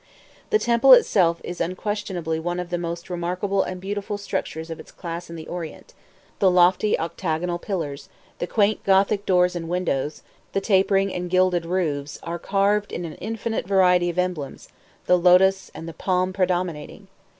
The temple itself is unquestionably one of the most remarkable and beautiful structures of its class in the Orient; the lofty octagonal pillars, the quaint Gothic doors and windows, the tapering and gilded roofs, are carved in an infinite variety of emblems, the lotos and the palm predominating.